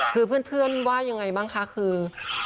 คือเพื่อนว่ายังไงบ้างคะคือ